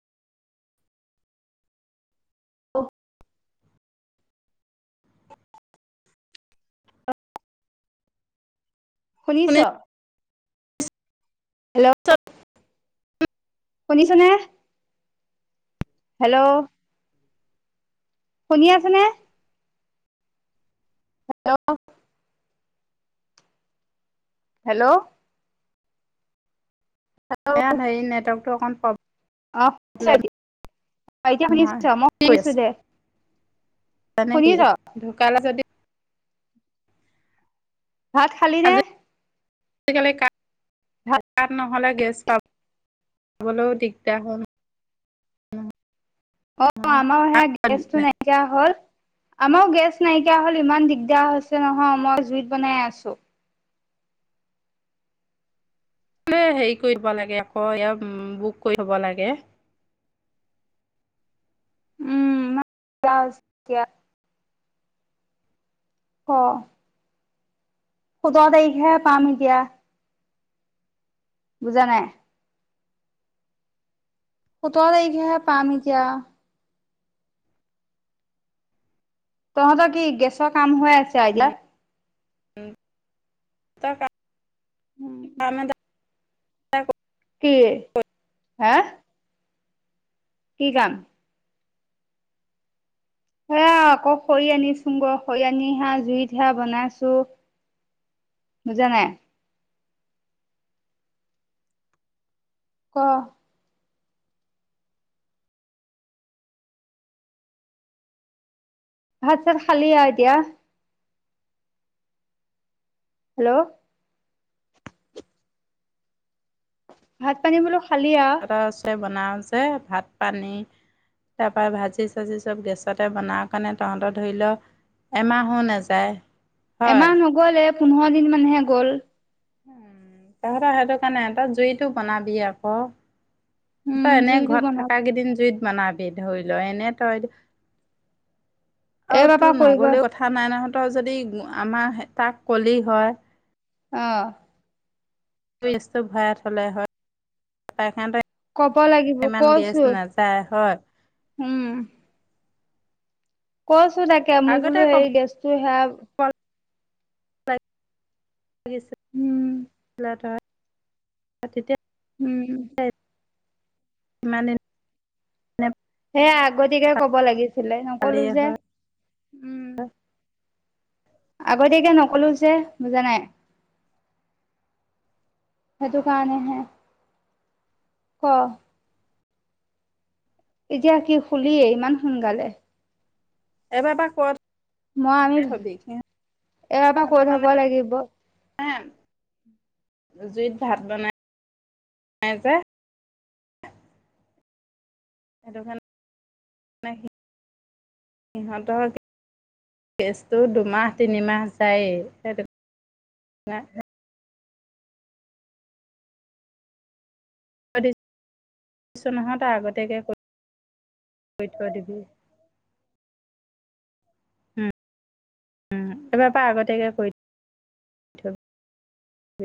অ [unintelligible] শুনিছ? ইয়াত শুনিছ নে? হেল্ল', শুনি আছে নে? হেল্ল'? হেল্ল'? এয়াত হেৰি নেটৱৰ্কটো অকণ প্ৰ অ শুনিছ প্ৰব্লেম এতিয়া অ', এতিয়া শুনিছ? হয়। মই কি কৰি আছ? শুনিছোঁ দে। নে কি? শুনিছ ঢুকালে যদি ভাত খালি নে? আজিকালি কা ভাত কাট, নহ'লে গেছ পাব, পাবলৈও দিগদাৰ হয়। অ', আমাৰো সেয়া গেছটো নাইকিয়া হ'ল। আমাৰো গেছ নাইকিয়া হল, ইমান দিগদাৰ হৈছে নহয় মই জুইত বনাই আছোঁ। এ হেৰি কৰিব থব লাগে আক এ বুক কৰি থব লাগে। উম, ইমান দিগদাৰ হৈছে এতিয়া। অ'। সোতৰ তাৰিখে হে পাম এতিয়া। বুজা নাই। সোতৰ তাৰিখে হে পাম এতিয়া। তহঁতৰ কি গেছৰ কাম হৈ আছে? এতিয়া [inaudible] কি? হা? কি কাম? সেয়া আকৌ খৰি আনিছোং গৈ, খৰি আনি সেয়া জুইত হে বনাইছোঁ। বুজা নাই? ক। ভাত চাত খালি আৰু এতিয়া? হেল্ল'? ভাত পানী বোলো খালি আ [unintelligible] বনাওঁ যে, ভাত পানী। তাৰ পৰা ভাজি চাজি চব গেছতে বনাওঁ কাৰণে তহঁতৰ ধৰি ল এমাহো নাযায়। হয়। এমাহ নগ'ল এ পোন্ধৰ দিন মানহে গ'ল। তহঁতৰ সেইটো কাৰণে তই জুইটো বনাবি আকৌ। উম বা এনেই জুইটো ঘৰত বনাব থকা কেইদিন জুইত বনাবি ধৰি লৈ, এনে তই, আৰু এই বাপা তোৰ কৰিব নগ'লেওঁ [unintelligible] যদি আমাৰ হে তাক কলি হয়। অ'। গেছটো ভৰাই থ'লে হয়। [unintelligible] ক'ব লাগিব ইমান গেছ কৈছো নাযায় হয়। উম। কৈছোঁ তাকে মোৰ আগতে বোলো ক'ব হেৰি গেছটো সেয়া [unintelligible] উম। [unintelligible] তেতিয়া উম। এই ইমানদিন সেয়া আগতিয়াকে ক'ব লাগিছিলে, নক'লো পালিয়ে যে, হয় উম। আগতীয়াকে নক'লো যে, বুজা নাই। সেইটো কাৰণেহে, ক। এতিয়া কি শুলিয়ে, ইমান সোনকালে। এবাৰ বা ক'ত মই আমি এবাৰ পা কৈ সিহঁতৰ মানে থ'ব লাগিব। [unintelligible] জুইত ভাত বনাই [unintelligible] যে। [unintelligible] সিহঁতৰ গেছটো দুমাহ তিনিমাহ যায়ে, সেইটো [unintelligible] তই আগতীয়াকে [unintelligible] কৰি থৈ দিবি। উম, উম, এইবাৰ পা আগতিয়াকে কৈ